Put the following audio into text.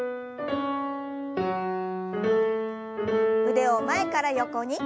腕を前から横に。